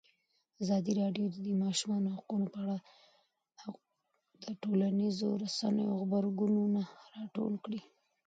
ازادي راډیو د د ماشومانو حقونه په اړه د ټولنیزو رسنیو غبرګونونه راټول کړي.